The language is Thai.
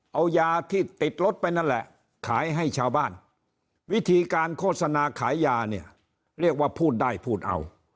เอายาที่ติดรถไปนั่นแหละขายให้ชาวบ้านวิธีการโฆษณาขายยาเนี่ยเรียกว่าพูดได้พูดเอา